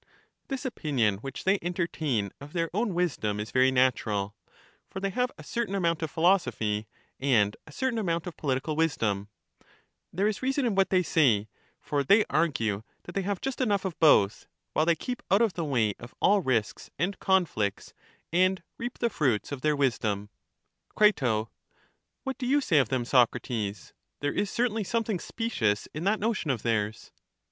This opinion which they entertain of their own wisdom is very natural ; for they have a certain amount of phi losophy, and a certain amount of political wisdom; there is reason in what they say, for they argue that they have just enough of both, while they keep out of the way of all risks and conflicts and reap the fruits of their wisdom. Cri, What do you say of them, Socrates? There is certainly something specious in that notion of theirs.